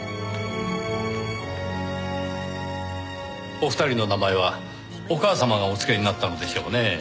お二人の名前はお母様がお付けになったのでしょうねぇ。